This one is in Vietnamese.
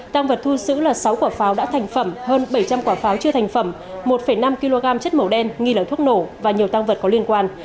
tăng vật thu giữ là sáu quả pháo đã thành phẩm hơn bảy trăm linh quả pháo chưa thành phẩm một năm kg chất màu đen nghi là thuốc nổ và nhiều tăng vật có liên quan